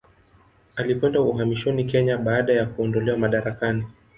Alikwenda uhamishoni Kenya baada ya kuondolewa madarakani.